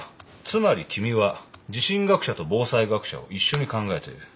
つまり君は地震学者と防災学者を一緒に考えている。